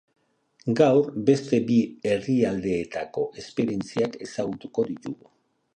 Gaur, beste bi herrialdeetako esperientziak ezagutuko ditugu.